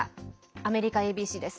アメリカＡＢＣです。